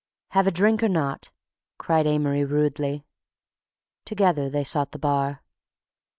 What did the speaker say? "Have a drink or not?" cried Amory rudely. Together they sought the bar.